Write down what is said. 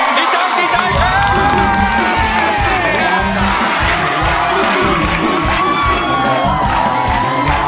ดีจังดีจังครับ